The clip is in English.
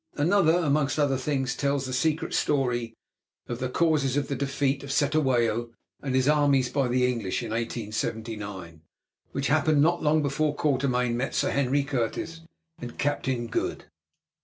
Another, amongst other things, tells the secret story of the causes of the defeat of Cetewayo and his armies by the English in 1879, which happened not long before Quatermain met Sir Henry Curtis and Captain Good.